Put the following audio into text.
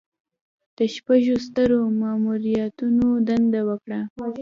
د شپږو سترو ماموریتونو دنده ورکړه.